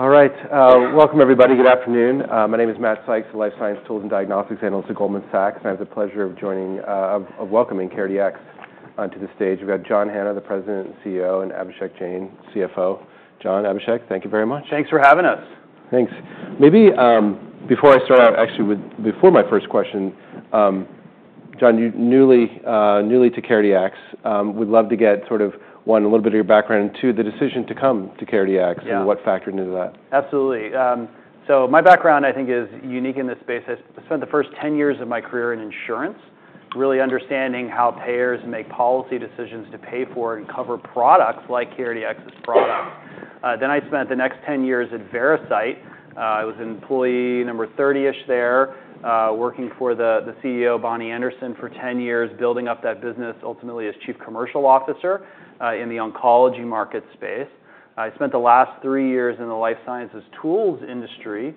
All right. Welcome, everybody. Good afternoon. My name is Matt Sykes, a Life Science Tools and Diagnostics Analyst at Goldman Sachs. I have the pleasure of joining, of welcoming CareDx onto the stage. We've got John Hanna, the President and CEO, and Abhishek Jain, CFO. John, Abhishek, thank you very much. Thanks for having us. Thanks. Maybe before I start out, actually, before my first question, John, you're new to CareDx. We'd love to get sort of, one, a little bit of your background, and two, the decision to come to CareDx. What factored into that? Absolutely. So my background, I think, is unique in this space. I spent the first 10 years of my career in insurance, really understanding how payers make policy decisions to pay for and cover products like CareDx's products. Then I spent the next 10 years at Veracyte. I was employee number 30-ish there, working for the CEO, Bonnie Anderson, for 10 years, building up that business, ultimately as Chief Commercial Officer in the oncology market space. I spent the last three years in the Life Sciences Tools industry,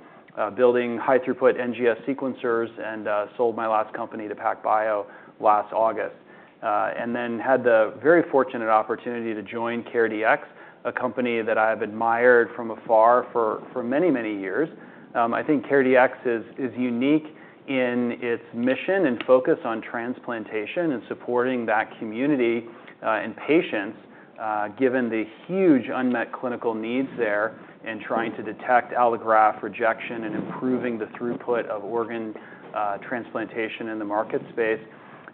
building high-throughput NGS sequencers, and sold my last company to PacBio last August. Then had the very fortunate opportunity to join CareDx, a company that I have admired from afar for many, many years. I think CareDx is unique in its mission and focus on transplantation and supporting that community and patients, given the huge unmet clinical needs there in trying to detect allograft rejection and improving the throughput of organ transplantation in the market space.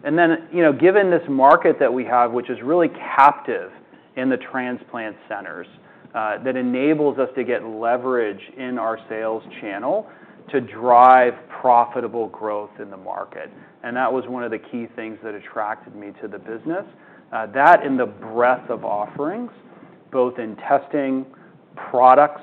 And then, given this market that we have, which is really captive in the transplant centers, that enables us to get leverage in our sales channel to drive profitable growth in the market. And that was one of the key things that attracted me to the business. That and the breadth of offerings, both in testing, products,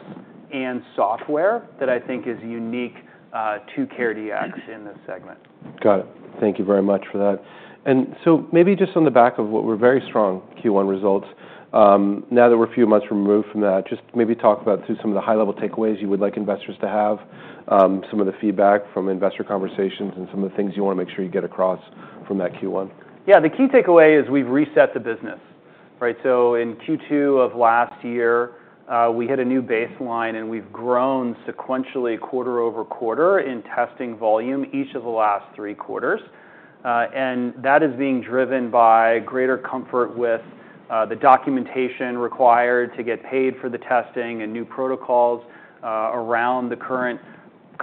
and software, that I think is unique to CareDx in this segment. Got it. Thank you very much for that. And so maybe just on the back of what were very strong Q1 results, now that we're a few months removed from that, just maybe talk about through some of the high-level takeaways you would like investors to have, some of the feedback from investor conversations, and some of the things you want to make sure you get across from that Q1. Yeah. The key takeaway is we've reset the business. So in Q2 of last year, we hit a new baseline, and we've grown sequentially quarter-over-quarter in testing volume each of the last three quarters. And that is being driven by greater comfort with the documentation required to get paid for the testing and new protocols around the current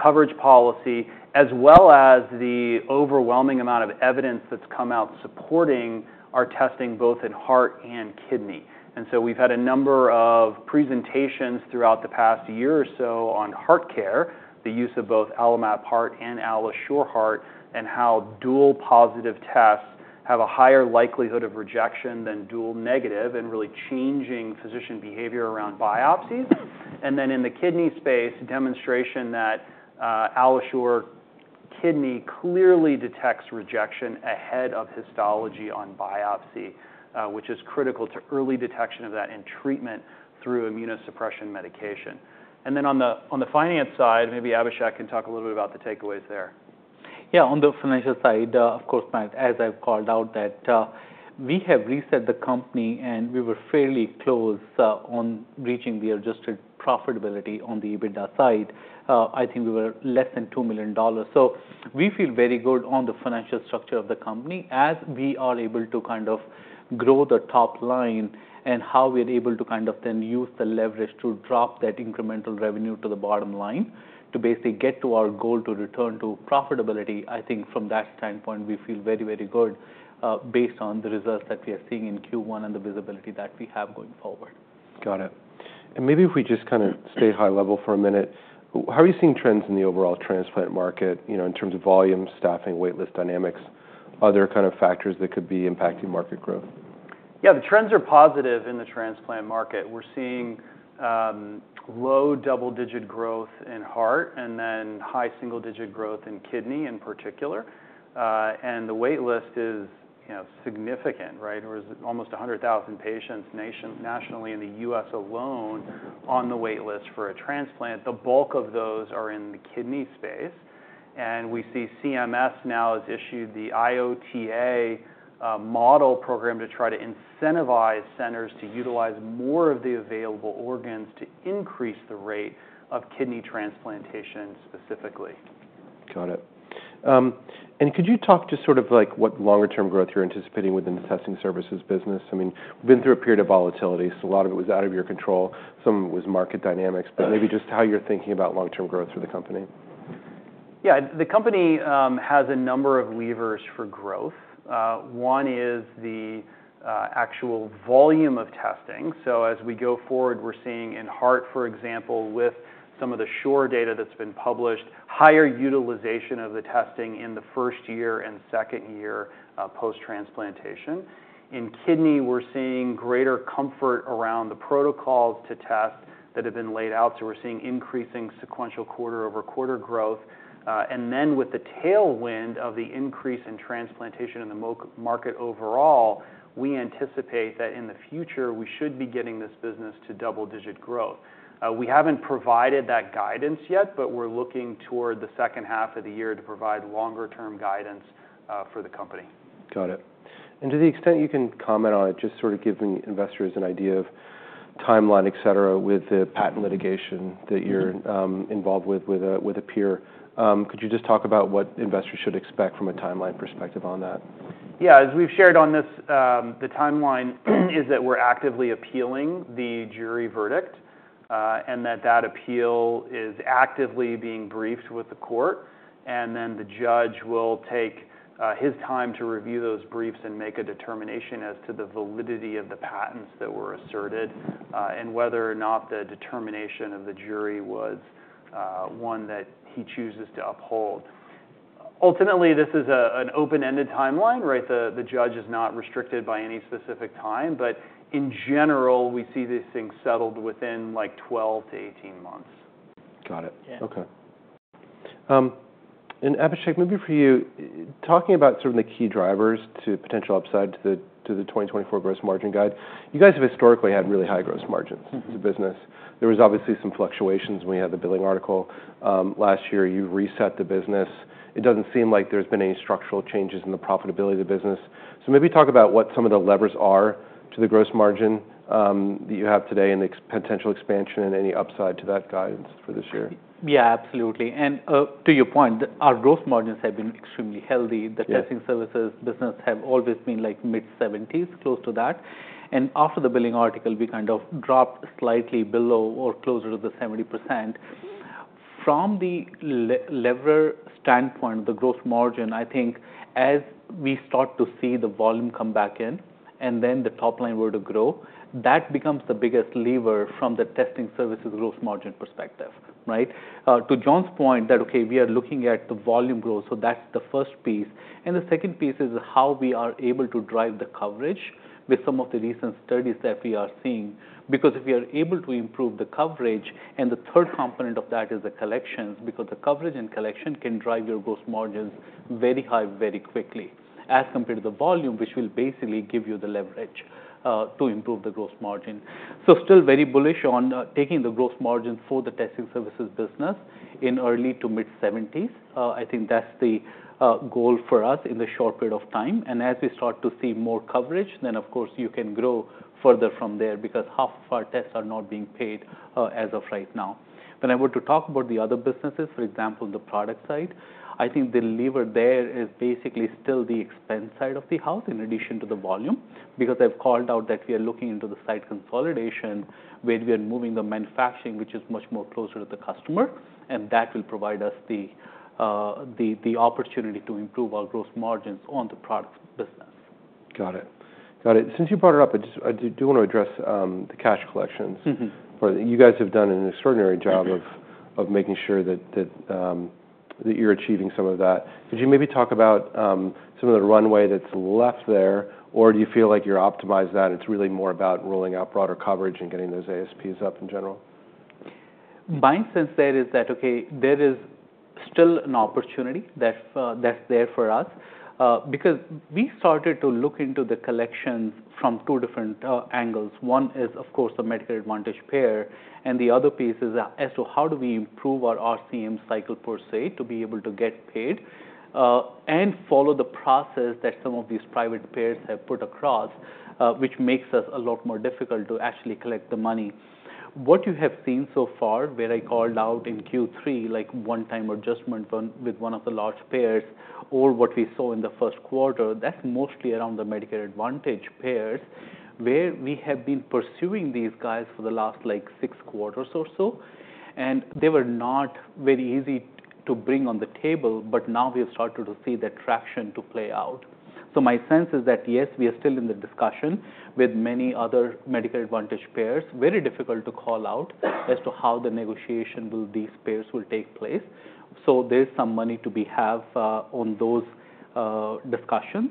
coverage policy, as well as the overwhelming amount of evidence that's come out supporting our testing both in heart and kidney. And so we've had a number of presentations throughout the past year or so on HeartCare, the use of both AlloMap Heart and AlloSure Heart, and how dual positive tests have a higher likelihood of rejection than dual negative, and really changing physician behavior around biopsies. And then in the kidney space, demonstration that AlloSure Kidney clearly detects rejection ahead of histology on biopsy, which is critical to early detection of that in treatment through immunosuppression medication. And then on the finance side, maybe Abhishek can talk a little bit about the takeaways there. Yeah. On the financial side, of course, Matt, as I've called out, that we have reset the company, and we were fairly close on reaching the adjusted profitability on the EBITDA side. I think we were less than $2 million. So we feel very good on the financial structure of the company, as we are able to kind of grow the top line and how we're able to kind of then use the leverage to drop that incremental revenue to the bottom line to basically get to our goal to return to profitability. I think from that standpoint, we feel very, very good based on the results that we are seeing in Q1 and the visibility that we have going forward. Got it. Maybe if we just kind of stay high level for a minute, how are you seeing trends in the overall transplant market in terms of volume, staffing, waitlist dynamics, other kind of factors that could be impacting market growth? Yeah. The trends are positive in the transplant market. We're seeing low double-digit growth in heart and then high single-digit growth in kidney in particular. And the waitlist is significant, right? There was almost 100,000 patients nationally in the U.S. alone on the waitlist for a transplant. The bulk of those are in the kidney space. And we see CMS now has issued the IOTA Model program to try to incentivize centers to utilize more of the available organs to increase the rate of kidney transplantation specifically. Got it. And could you talk to sort of what longer-term growth you're anticipating within the testing services business? I mean, we've been through a period of volatility, so a lot of it was out of your control. Some was market dynamics, but maybe just how you're thinking about long-term growth for the company. Yeah. The company has a number of levers for growth. One is the actual volume of testing. So as we go forward, we're seeing in heart, for example, with some of the SHORE data that's been published, higher utilization of the testing in the first year and second year post-transplantation. In kidney, we're seeing greater comfort around the protocols to test that have been laid out. So we're seeing increasing sequential quarter-over-quarter growth. And then with the tailwind of the increase in transplantation in the market overall, we anticipate that in the future, we should be getting this business to double-digit growth. We haven't provided that guidance yet, but we're looking toward the second half of the year to provide longer-term guidance for the company. Got it. To the extent you can comment on it, just sort of giving investors an idea of timeline, et cetera, with the patent litigation that you're involved with with a peer, could you just talk about what investors should expect from a timeline perspective on that? Yeah. As we've shared on this, the timeline is that we're actively appealing the jury verdict and that that appeal is actively being briefed with the court. And then the judge will take his time to review those briefs and make a determination as to the validity of the patents that were asserted and whether or not the determination of the jury was one that he chooses to uphold. Ultimately, this is an open-ended timeline, right? The judge is not restricted by any specific time. But in general, we see these things settled within 12-18 months. Got it. Okay. And Abhishek, maybe for you, talking about sort of the key drivers to potential upside to the 2024 gross margin guide, you guys have historically had really high gross margins as a business. There was obviously some fluctuations when we had the billing article last year. You've reset the business. It doesn't seem like there's been any structural changes in the profitability of the business. So maybe talk about what some of the levers are to the gross margin that you have today and the potential expansion and any upside to that guidance for this year. Yeah, absolutely. To your point, our gross margins have been extremely healthy. The testing services business have always been mid-70s, close to that. After the billing article, we kind of dropped slightly below or closer to the 70%. From the lever standpoint, the gross margin, I think as we start to see the volume come back in and then the top line were to grow, that becomes the biggest lever from the testing services gross margin perspective, right? To John's point that, okay, we are looking at the volume growth. That's the first piece. The second piece is how we are able to drive the coverage with some of the recent studies that we are seeing, because if we are able to improve the coverage, and the third component of that is the collections, because the coverage and collection can drive your gross margins very high, very quickly, as compared to the volume, which will basically give you the leverage to improve the gross margin. So still very bullish on taking the gross margin for the testing services business in early-to-mid-70s. I think that's the goal for us in the short period of time. As we start to see more coverage, then of course you can grow further from there because half of our tests are not being paid as of right now. When we're to talk about the other businesses, for example, the product side, I think the lever there is basically still the expense side of the house in addition to the volume, because I've called out that we are looking into the site consolidation where we are moving the manufacturing, which is much closer to the customer. That will provide us the opportunity to improve our gross margins on the product business. Got it. Got it. Since you brought it up, I do want to address the cash collections. You guys have done an extraordinary job of making sure that you're achieving some of that. Could you maybe talk about some of the runway that's left there, or do you feel like you're optimized that? It's really more about rolling out broader coverage and getting those ASPs up in general. My sense there is that, okay, there is still an opportunity that's there for us because we started to look into the collections from two different angles. One is, of course, the Medicare Advantage payer. And the other piece is as to how do we improve our RCM cycle per se to be able to get paid and follow the process that some of these private payers have put across, which makes us a lot more difficult to actually collect the money. What you have seen so far where I called out in Q3, like one-time adjustment with one of the large payers, or what we saw in the first quarter, that's mostly around the Medicare Advantage payers where we have been pursuing these guys for the last six quarters or so. They were not very easy to bring to the table, but now we have started to see the traction play out. So my sense is that, yes, we are still in the discussions with many other Medicare Advantage payers. Very difficult to call out as to how the negotiations with these payers will take place. So there is some money to be had on those discussions.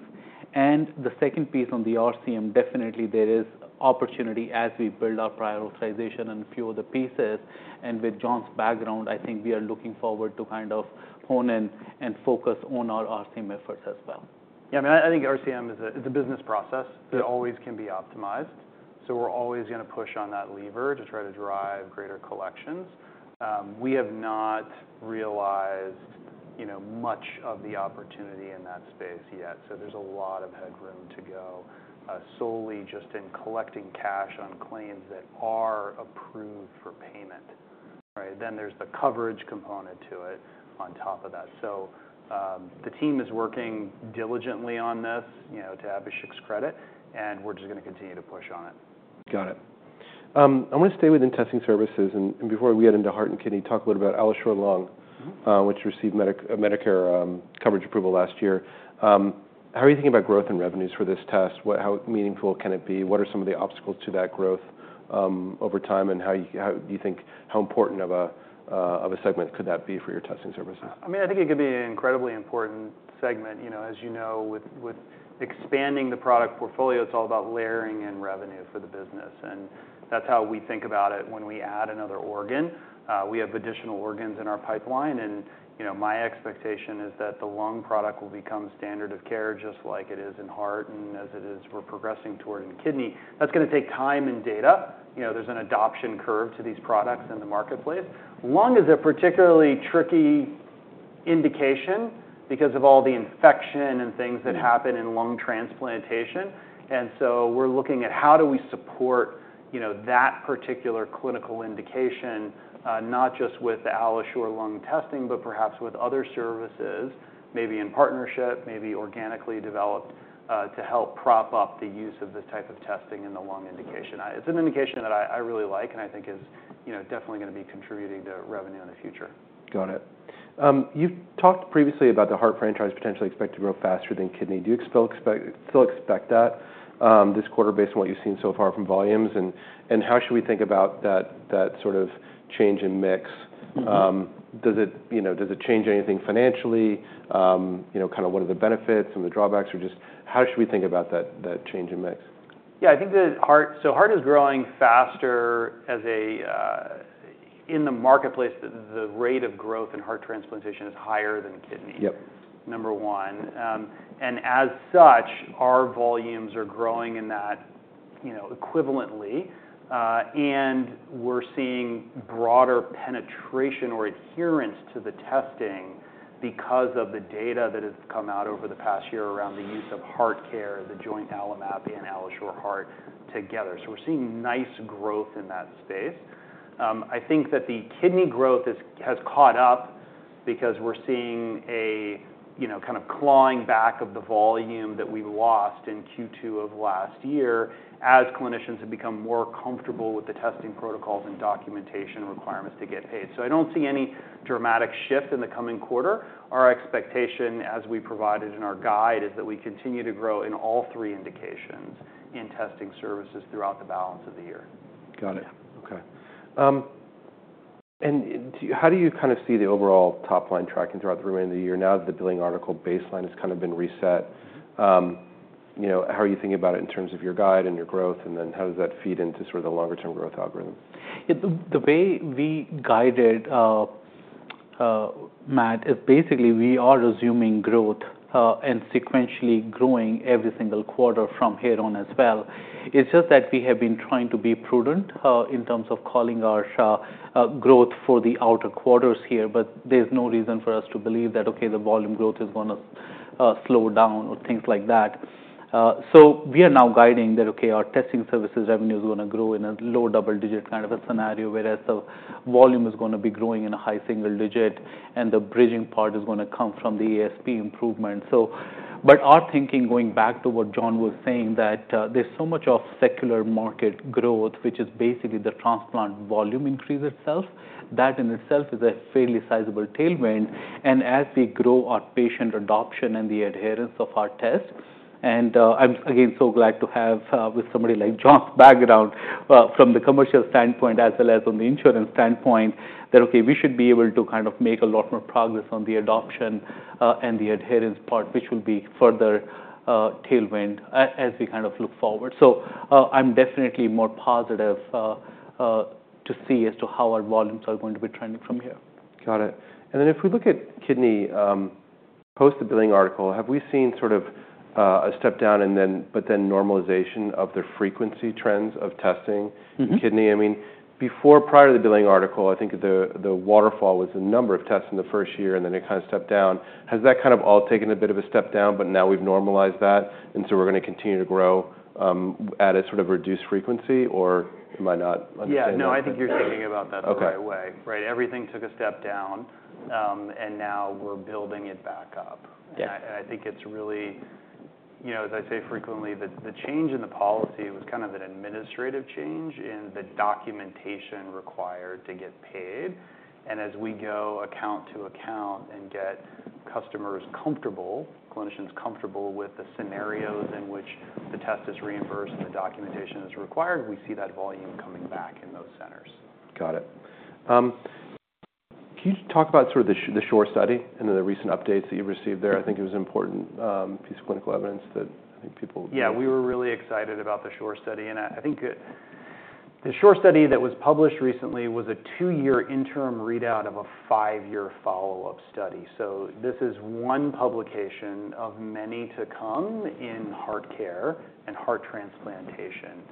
And the second piece on the RCM, definitely there is opportunity as we build our prioritization and a few other pieces. And with John's background, I think we are looking forward to kind of hone in and focus on our RCM efforts as well. Yeah. I mean, I think RCM is a business process that always can be optimized. So we're always going to push on that lever to try to drive greater collections. We have not realized much of the opportunity in that space yet. So there's a lot of headroom to go solely just in collecting cash on claims that are approved for payment, right? Then there's the coverage component to it on top of that. So the team is working diligently on this to Abhishek's credit, and we're just going to continue to push on it. Got it. I want to stay within Testing Services. Before we get into heart and kidney, talk a little bit about AlloSure Lung, which received Medicare coverage approval last year. How are you thinking about growth and revenues for this test? How meaningful can it be? What are some of the obstacles to that growth over time? And how do you think important of a segment could that be for your testing services? I mean, I think it could be an incredibly important segment. As you know, with expanding the product portfolio, it's all about layering in revenue for the business. And that's how we think about it. When we add another organ, we have additional organs in our pipeline. And my expectation is that the lung product will become standard of care just like it is in heart and as it is we're progressing toward in kidney. That's going to take time and data. There's an adoption curve to these products in the marketplace. Lung is a particularly tricky indication because of all the infection and things that happen in lung transplantation. We're looking at how do we support that particular clinical indication, not just with the AlloSure Lung testing, but perhaps with other services, maybe in partnership, maybe organically developed to help prop up the use of this type of testing in the lung indication. It's an indication that I really like and I think is definitely going to be contributing to revenue in the future. Got it. You've talked previously about the heart franchise potentially expected to grow faster than kidney. Do you still expect that this quarter based on what you've seen so far from volumes? And how should we think about that sort of change in mix? Does it change anything financially? Kind of what are the benefits and the drawbacks? Or just how should we think about that change in mix? Yeah. I think the heart so heart is growing faster as a in the marketplace, the rate of growth in heart transplantation is higher than kidney, number one. And as such, our volumes are growing in that equivalently. And we're seeing broader penetration or adherence to the testing because of the data that has come out over the past year around the use of HeartCare, the joint AlloMap, and AlloSure Heart together. So we're seeing nice growth in that space. I think that the kidney growth has caught up because we're seeing a kind of clawing back of the volume that we lost in Q2 of last year as clinicians have become more comfortable with the testing protocols and documentation requirements to get paid. So I don't see any dramatic shift in the coming quarter. Our expectation, as we provided in our guide, is that we continue to grow in all three indications in testing services throughout the balance of the year. Got it. Okay. And how do you kind of see the overall top line tracking throughout the remainder of the year now that the billing article baseline has kind of been reset? How are you thinking about it in terms of your guide and your growth? And then how does that feed into sort of the longer-term growth algorithm? The way we guided Matt is basically we are resuming growth and sequentially growing every single quarter from here on as well. It's just that we have been trying to be prudent in terms of calling our growth for the outer quarters here. But there's no reason for us to believe that, okay, the volume growth is going to slow down or things like that. So we are now guiding that, okay, our testing services revenue is going to grow in a low double-digit kind of a scenario, whereas the volume is going to be growing in a high single digit. And the bridging part is going to come from the ASP improvement. But our thinking going back to what John was saying, that there's so much of secular market growth, which is basically the transplant volume increase itself. That in itself is a fairly sizable tailwind. As we grow our patient adoption and the adherence of our tests, and I'm again so glad to have with somebody like John's background from the commercial standpoint as well as on the insurance standpoint, that, okay, we should be able to kind of make a lot more progress on the adoption and the adherence part, which will be further tailwind as we kind of look forward. So I'm definitely more positive to see as to how our volumes are going to be trending from here. Got it. Then if we look at kidney post the billing article, have we seen sort of a step down and then but then normalization of the frequency trends of testing in kidney? I mean, prior to the billing article, I think the waterfall was the number of tests in the first year, and then it kind of stepped down. Has that kind of all taken a bit of a step down, but now we've normalized that? So we're going to continue to grow at a sort of reduced frequency, or am I not understanding that? Yeah. No, I think you're thinking about that the right way, right? Everything took a step down, and now we're building it back up. And I think it's really, as I say frequently, the change in the policy was kind of an administrative change in the documentation required to get paid. And as we go account to account and get customers comfortable, clinicians comfortable with the scenarios in which the test is reimbursed and the documentation is required, we see that volume coming back in those centers. Got it. Can you talk about sort of the SHORE study and the recent updates that you received there? I think it was an important piece of clinical evidence that I think people. Yeah. We were really excited about the SHORE study. I think the SHORE study that was published recently was a two-year interim readout of a five-year follow-up study. This is one publication of many to come in HeartCare and heart transplantation.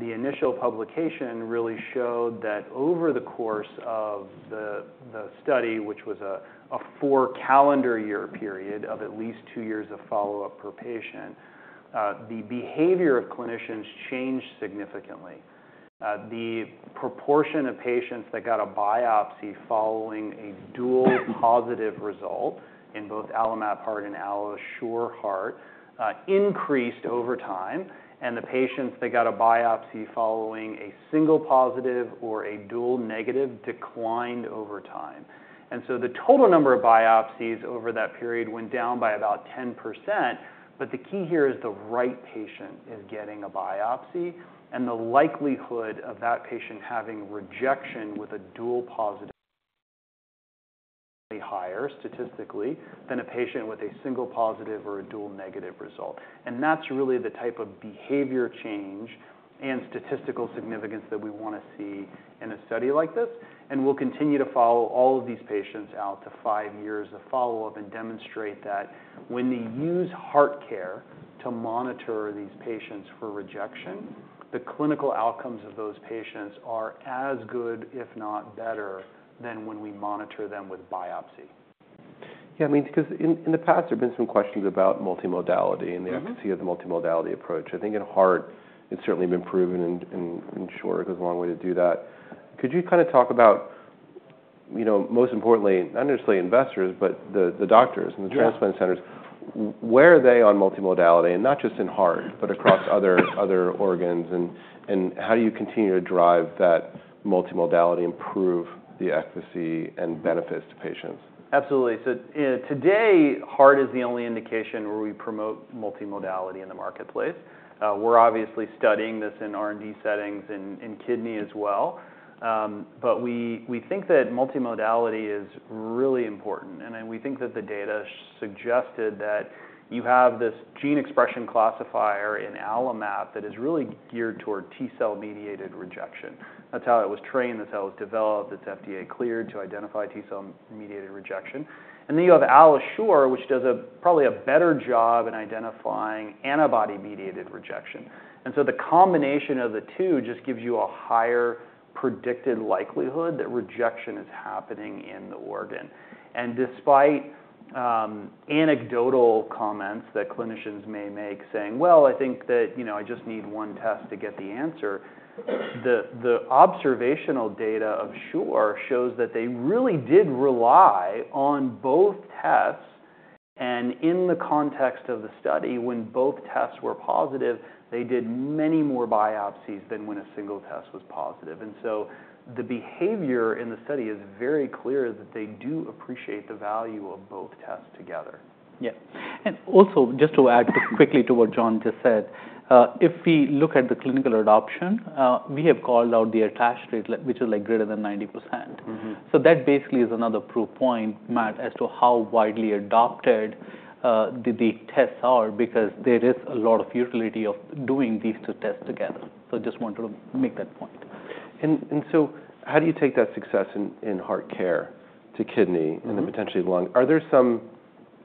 The initial publication really showed that over the course of the study, which was a four-calendar-year period of at least two years of follow-up per patient, the behavior of clinicians changed significantly. The proportion of patients that got a biopsy following a dual positive result in both AlloMap Heart and AlloSure Heart increased over time. The patients that got a biopsy following a single positive or a dual negative declined over time. So the total number of biopsies over that period went down by about 10%. The key here is the right patient is getting a biopsy and the likelihood of that patient having rejection with a dual positive is higher statistically than a patient with a single positive or a dual negative result. That's really the type of behavior change and statistical significance that we want to see in a study like this. We'll continue to follow all of these patients out to five years of follow-up and demonstrate that when they use HeartCare to monitor these patients for rejection, the clinical outcomes of those patients are as good, if not better, than when we monitor them with biopsy. Yeah. I mean, because in the past, there have been some questions about multimodality and the efficacy of the multimodality approach. I think in heart, it's certainly been proven, and SHORE goes a long way to do that. Could you kind of talk about, most importantly, not necessarily investors, but the doctors and the transplant centers, where are they on multimodality? And not just in heart, but across other organs. And how do you continue to drive that multimodality, improve the efficacy, and benefits to patients? Absolutely. So today, heart is the only indication where we promote multimodality in the marketplace. We're obviously studying this in R&D settings in kidney as well. But we think that multimodality is really important. And we think that the data suggested that you have this gene expression classifier in AlloMap that is really geared toward T-cell mediated rejection. That's how it was trained. That's how it was developed. It's FDA cleared to identify T-cell mediated rejection. And then you have AlloSure, which does probably a better job in identifying antibody-mediated rejection. And so the combination of the two just gives you a higher predicted likelihood that rejection is happening in the organ. And despite anecdotal comments that clinicians may make saying, "Well, I think that I just need one test to get the answer," the observational data of SHORE shows that they really did rely on both tests. In the context of the study, when both tests were positive, they did many more biopsies than when a single test was positive. So the behavior in the study is very clear that they do appreciate the value of both tests together. Yeah. And also, just to add quickly to what John just said, if we look at the clinical adoption, we have called out the attached rate, which is like greater than 90%. So that basically is another proof point, Matt, as to how widely adopted the tests are because there is a lot of utility of doing these two tests together. So I just wanted to make that point. And so how do you take that success in heart care to kidney and then potentially lung? Are there some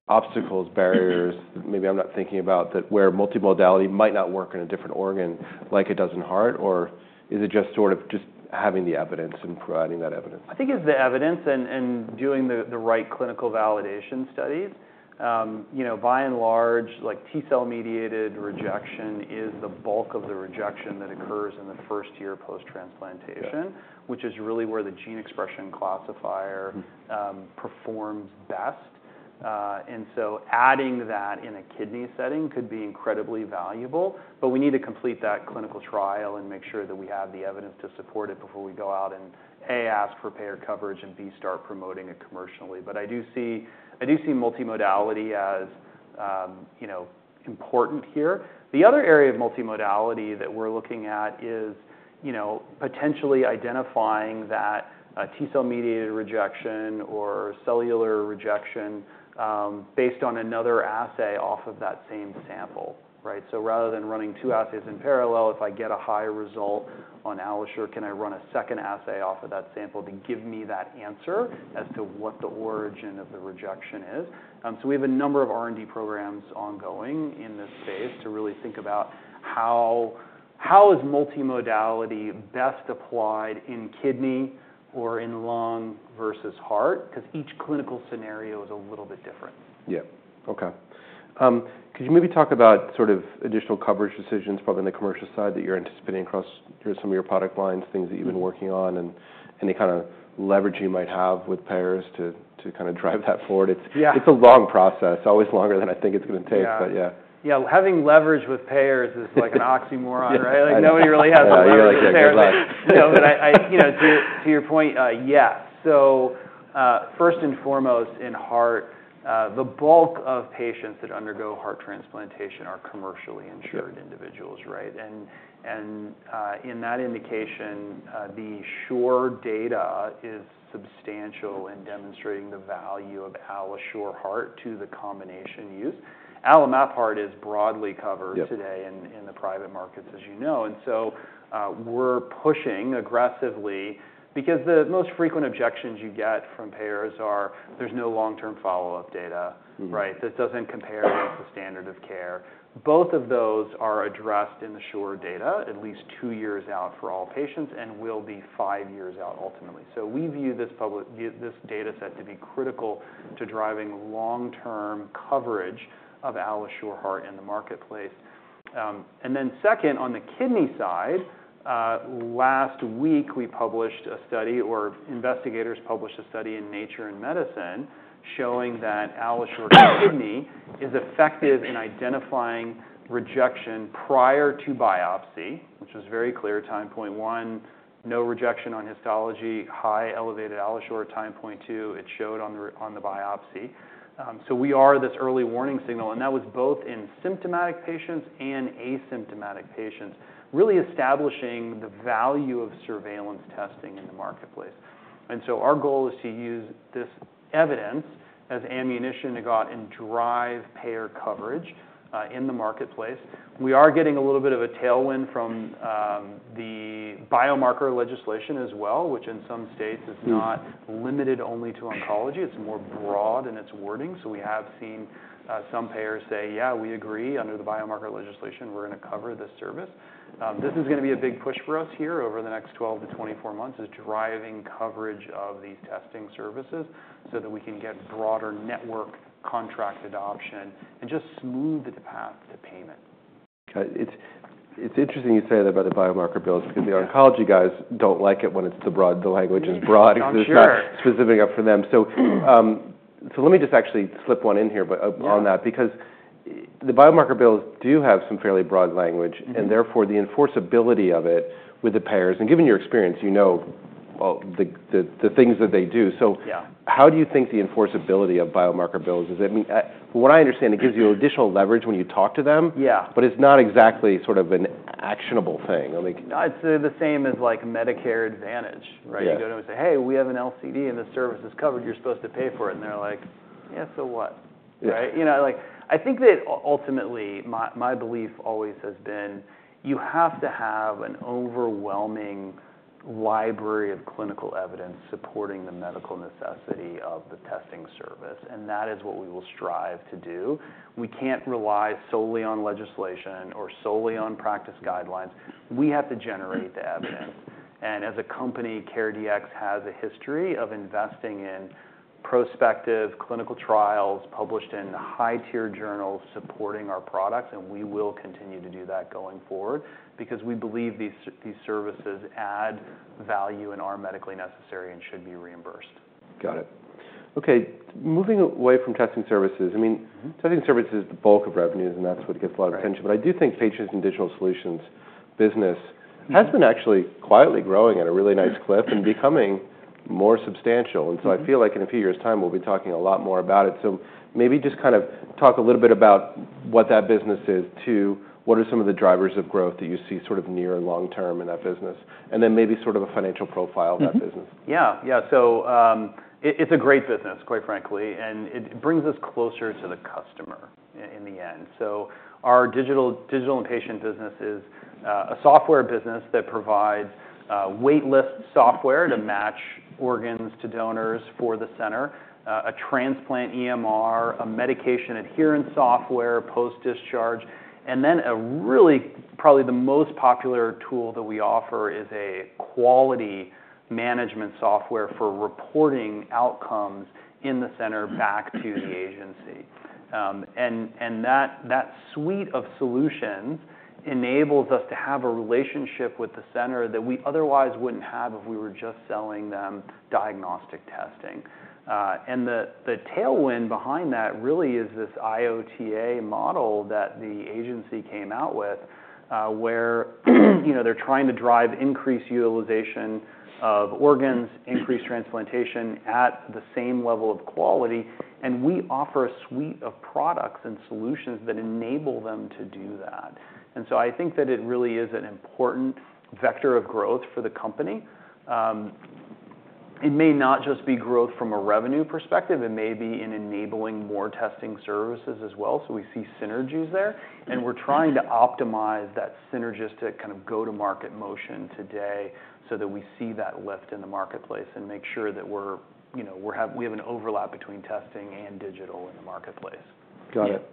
obstacles, barriers that maybe I'm not thinking about that where multimodality might not work in a different organ like it does in heart? Or is it just sort of just having the evidence and providing that evidence? I think it's the evidence and doing the right clinical validation studies. By and large, T-cell mediated rejection is the bulk of the rejection that occurs in the first year post-transplantation, which is really where the gene expression classifier performs best. And so adding that in a kidney setting could be incredibly valuable. But we need to complete that clinical trial and make sure that we have the evidence to support it before we go out and, A, ask for payer coverage and, B, start promoting it commercially. But I do see multimodality as important here. The other area of multimodality that we're looking at is potentially identifying that T-cell mediated rejection or cellular rejection based on another assay off of that same sample, right? So rather than running two assays in parallel, if I get a high result on AlloSure, can I run a second assay off of that sample to give me that answer as to what the origin of the rejection is? So we have a number of R&D programs ongoing in this space to really think about how is multimodality best applied in kidney or in lung versus heart because each clinical scenario is a little bit different. Yeah. Okay. Could you maybe talk about sort of additional coverage decisions, probably on the commercial side that you're anticipating across some of your product lines, things that you've been working on, and any kind of leverage you might have with payers to kind of drive that forward? It's a long process, always longer than I think it's going to take, but yeah. Yeah. Having leverage with payers is like an oxymoron, right? Nobody really has a lot of payers. Yeah. You're like, "Yeah, but I... To your point, yes. So first and foremost, in heart, the bulk of patients that undergo heart transplantation are commercially insured individuals, right? And in that indication, the SHORE data is substantial in demonstrating the value of AlloSure Heart to the combination use. AlloMap Heart is broadly covered today in the private markets, as you know. And so we're pushing aggressively because the most frequent objections you get from payers are, "There's no long-term follow-up data," right? "This doesn't compare against the standard of care." Both of those are addressed in the SHORE data at least two years out for all patients and will be five years out ultimately. So we view this data set to be critical to driving long-term coverage of AlloSure Heart in the marketplace. And then second, on the kidney side, last week we published a study or investigators published a study in Nature Medicine showing that AlloSure Kidney is effective in identifying rejection prior to biopsy, which was very clear at time point one, no rejection on histology, high elevated AlloSure at time point two, it showed on the biopsy. So we are this early warning signal. And that was both in symptomatic patients and asymptomatic patients, really establishing the value of surveillance testing in the marketplace. And so our goal is to use this evidence as ammunition to go out and drive payer coverage in the marketplace. We are getting a little bit of a tailwind from the biomarker legislation as well, which in some states is not limited only to oncology. It's more broad in its wording. We have seen some payers say, "Yeah, we agree under the biomarker legislation, we're going to cover this service." This is going to be a big push for us here over the next 12-24 months is driving coverage of these testing services so that we can get broader network contract adoption and just smooth the path to payment. It's interesting you say that about the biomarker bills because the oncology guys don't like it when it's the broad the language is broad. It's not specific enough for them. So let me just actually slip one in here on that because the biomarker bills do have some fairly broad language, and therefore the enforceability of it with the payers. And given your experience, you know the things that they do. So how do you think the enforceability of biomarker bills is? I mean, from what I understand, it gives you additional leverage when you talk to them, but it's not exactly sort of an actionable thing. It's the same as like Medicare Advantage, right? You go to them and say, "Hey, we have an LCD and this service is covered. You're supposed to pay for it." And they're like, "Yeah, so what?" Right? I think that ultimately my belief always has been you have to have an overwhelming library of clinical evidence supporting the medical necessity of the testing service. That is what we will strive to do. We can't rely solely on legislation or solely on practice guidelines. We have to generate the evidence. As a company, CareDx has a history of investing in prospective clinical trials published in high-tier journals supporting our products. We will continue to do that going forward because we believe these services add value and are medically necessary and should be reimbursed. Got it. Okay. Moving away from testing services, I mean, testing services is the bulk of revenues, and that's what gets a lot of attention. But I do think patient and digital solutions business has been actually quietly growing at a really nice clip and becoming more substantial. And so I feel like in a few years' time, we'll be talking a lot more about it. So maybe just kind of talk a little bit about what that business is, to what are some of the drivers of growth that you see sort of near- and long-term in that business? And then maybe sort of a financial profile of that business. Yeah. Yeah. So it's a great business, quite frankly. And it brings us closer to the customer in the end. So our digital and patient business is a software business that provides waitlist software to match organs to donors for the center, a transplant EMR, a medication adherence software post-discharge. And then a really probably the most popular tool that we offer is a quality management software for reporting outcomes in the center back to the agency. And that suite of solutions enables us to have a relationship with the center that we otherwise wouldn't have if we were just selling them diagnostic testing. And the tailwind behind that really is this IOTA model that the agency came out with where they're trying to drive increased utilization of organs, increased transplantation at the same level of quality. We offer a suite of products and solutions that enable them to do that. So I think that it really is an important vector of growth for the company. It may not just be growth from a revenue perspective. It may be in enabling more testing services as well. We see synergies there. We're trying to optimize that synergistic kind of go-to-market motion today so that we see that lift in the marketplace and make sure that we have an overlap between testing and digital in the marketplace. Got it.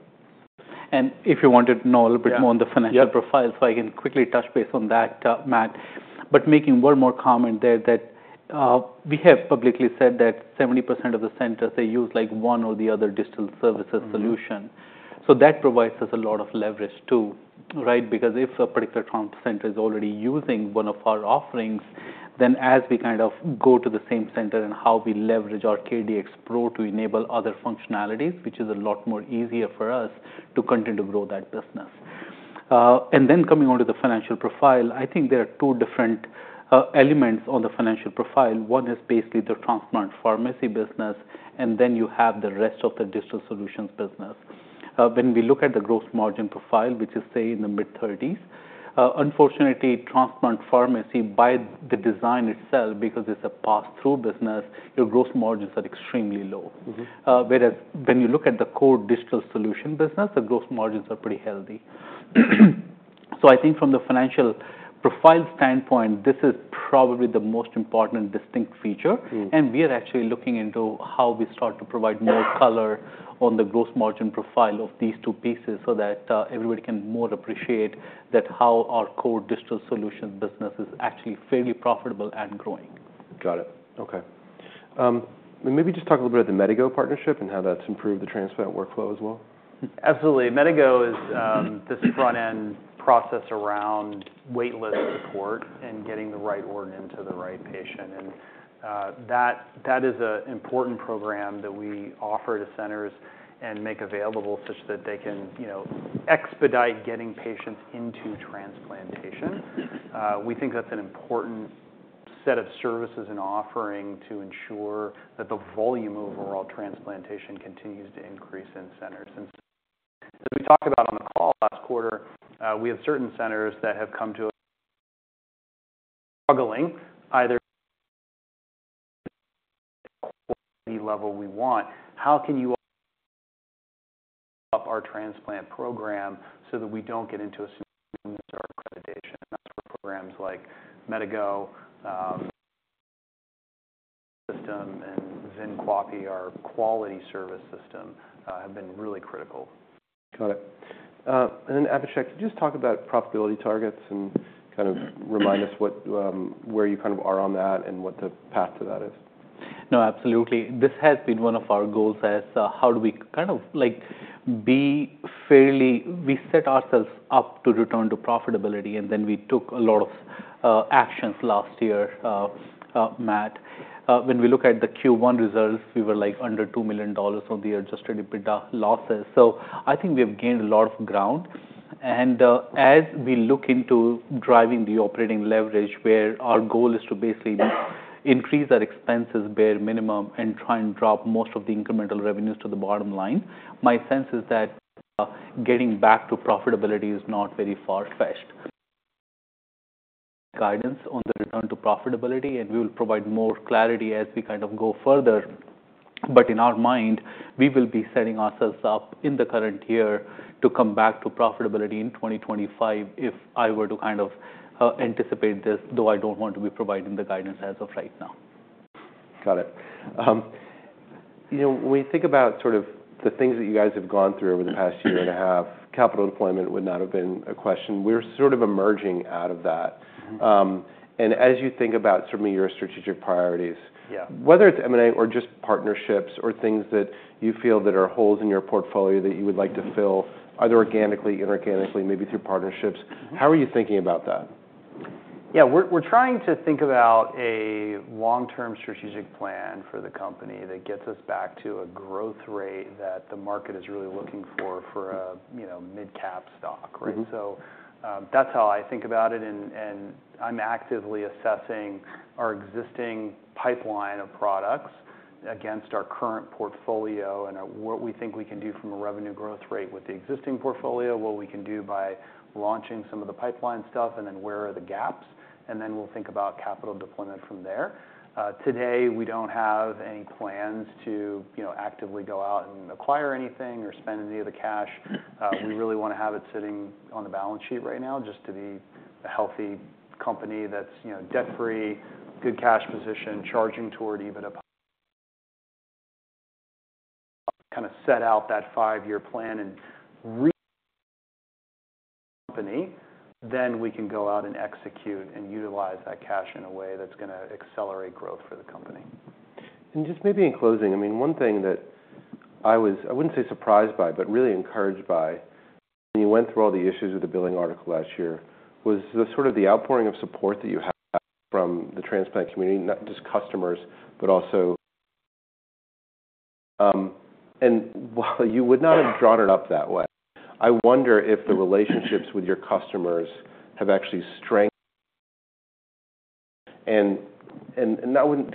If you wanted to know a little bit more on the financial profile, so I can quickly touch base on that, Matt. But making one more comment there that we have publicly said that 70% of the centers, they use like one or the other digital services solution. So that provides us a lot of leverage too, right? Because if a particular center is already using one of our offerings, then as we kind of go to the same center and how we leverage our CareDx Pro to enable other functionalities, which is a lot more easier for us to continue to grow that business. And then coming on to the financial profile, I think there are two different elements on the financial profile. One is basically the transplant pharmacy business, and then you have the rest of the digital solutions business. When we look at the gross margin profile, which is, say, in the mid-30s, unfortunately, transplant pharmacy by the design itself, because it's a pass-through business, your gross margins are extremely low. Whereas when you look at the core digital solution business, the gross margins are pretty healthy. So I think from the financial profile standpoint, this is probably the most important distinct feature. We are actually looking into how we start to provide more color on the gross margin profile of these two pieces so that everybody can more appreciate how our core digital solutions business is actually fairly profitable and growing. Got it. Okay. Maybe just talk a little bit about the MediGO partnership and how that's improved the transplant workflow as well. Absolutely. MediGO is this front-end process around waitlist support and getting the right organ into the right patient. And that is an important program that we offer to centers and make available such that they can expedite getting patients into transplantation. We think that's an important set of services and offering to ensure that the volume of overall transplantation continues to increase in centers. And as we talked about on the call last quarter, we have certain centers that have come to struggling either at the level we want. How can you up our transplant program so that we don't get into a system that's our accreditation? And that's where programs like MediGO, OTTR, and XynQAPI, our quality service system, have been really critical. Got it. And then Abhishek, could you just talk about profitability targets and kind of remind us where you kind of are on that and what the path to that is? No, absolutely. This has been one of our goals as how do we kind of be fairly we set ourselves up to return to profitability, and then we took a lot of actions last year, Matt. When we look at the Q1 results, we were like under $2 million on the adjusted EBITDA losses. So I think we have gained a lot of ground. And as we look into driving the operating leverage, where our goal is to basically increase our expenses bare minimum and try and drop most of the incremental revenues to the bottom line, my sense is that getting back to profitability is not very far-fetched. Guidance on the return to profitability, and we will provide more clarity as we kind of go further. But in our mind, we will be setting ourselves up in the current year to come back to profitability in 2025 if I were to kind of anticipate this, though I don't want to be providing the guidance as of right now. Got it. When we think about sort of the things that you guys have gone through over the past year and a half, capital deployment would not have been a question. We're sort of emerging out of that. As you think about some of your strategic priorities, whether it's M&A or just partnerships or things that you feel that are holes in your portfolio that you would like to fill, either organically, inorganically, maybe through partnerships, how are you thinking about that? Yeah. We're trying to think about a long-term strategic plan for the company that gets us back to a growth rate that the market is really looking for for a mid-cap stock, right? So that's how I think about it. And I'm actively assessing our existing pipeline of products against our current portfolio and what we think we can do from a revenue growth rate with the existing portfolio, what we can do by launching some of the pipeline stuff, and then where are the gaps. And then we'll think about capital deployment from there. Today, we don't have any plans to actively go out and acquire anything or spend any of the cash. We really want to have it sitting on the balance sheet right now just to be a healthy company that's debt-free, good cash position, charging toward EBITDA. Kind of set out that five-year plan and really company, then we can go out and execute and utilize that cash in a way that's going to accelerate growth for the company. Just maybe in closing, I mean, one thing that I wouldn't say surprised by, but really encouraged by when you went through all the issues with the billing article last year was sort of the outpouring of support that you had from the transplant community, not just customers, but also. While you would not have drawn it up that way, I wonder if the relationships with your customers have actually strengthened.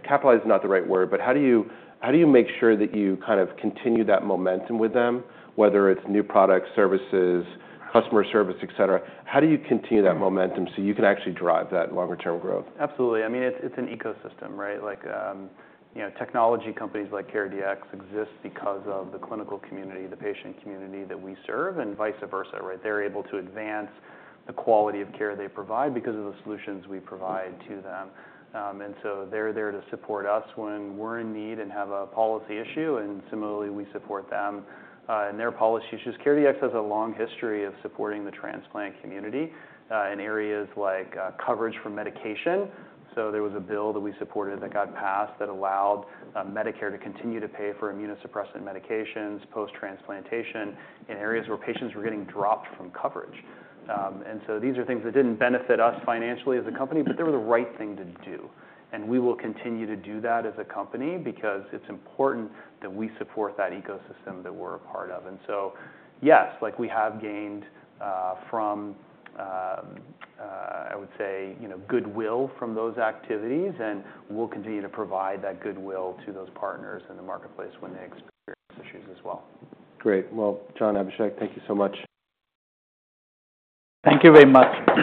Capitalized is not the right word, but how do you make sure that you kind of continue that momentum with them, whether it's new products, services, customer service, etc.? How do you continue that momentum so you can actually drive that longer-term growth? Absolutely. I mean, it's an ecosystem, right? Technology companies like CareDx exist because of the clinical community, the patient community that we serve, and vice versa, right? They're able to advance the quality of care they provide because of the solutions we provide to them. And so they're there to support us when we're in need and have a policy issue. And similarly, we support them in their policy issues. CareDx has a long history of supporting the transplant community in areas like coverage for medication. So there was a bill that we supported that got passed that allowed Medicare to continue to pay for immunosuppressant medications post-transplantation in areas where patients were getting dropped from coverage. And so these are things that didn't benefit us financially as a company, but they were the right thing to do. We will continue to do that as a company because it's important that we support that ecosystem that we're a part of. And so, yes, we have gained from, I would say, goodwill from those activities, and we'll continue to provide that goodwill to those partners in the marketplace when they experience issues as well. Great. Well, John, Abhishek, thank you so much. Thank you very much.